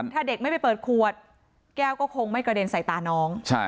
ถ้าเด็กไม่ไปเปิดขวดแก้วก็คงไม่กระเด็นใส่ตาน้อง